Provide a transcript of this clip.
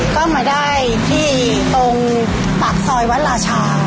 ก็มาได้ที่ตรงปากซอยวัดราชา